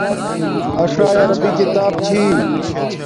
اݽݵ عربی کتاب چھی